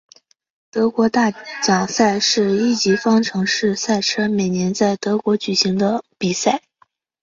德国大奖赛是一级方程式赛车每年在德国举行的比赛。